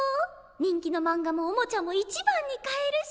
人気のマンガもおもちゃも一番に買えるし！